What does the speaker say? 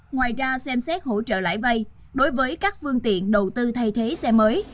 ngoài ra xem xét hỗ trợ lãi vay đối với các phương tiện đầu tư thay thế xe mới